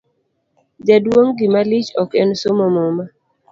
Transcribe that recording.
jaduong' gimalich ok en somo muma